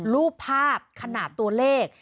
รูปภาพขนาดตัวเลข